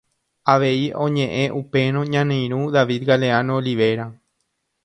Avei oñeʼẽ upérõ ñane irũ David Galeano Olivera.